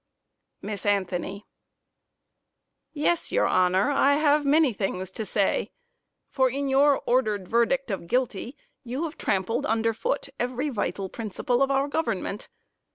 MISS ANTHONY Yes, your honor, I have many things to say; for in your ordered verdict of guilty, you have trampled under foot every vital principle of our government.